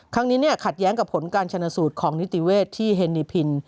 ครั้งนี้ขัดแย้งกับผลการชนะสูตรของนิติเวศที่เฮนิพิน